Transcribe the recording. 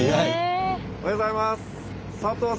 おはようございます。